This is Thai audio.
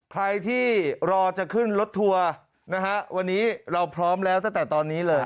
ใครที่รอจะขึ้นรถทัวร์นะฮะวันนี้เราพร้อมแล้วตั้งแต่ตอนนี้เลย